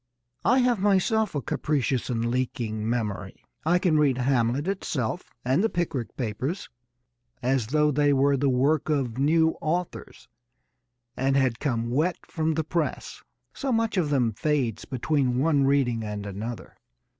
I have myself a capricious and leaking memory. I can read Hamlet itself and The Pickwick Papers as though they were the work of new authors and had come wet from the press, so much of them fades between one reading and another.